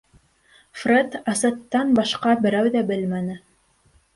Фред, Асеттән башҡа берәү ҙә белмәне.